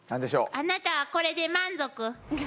あなたはこれで満足？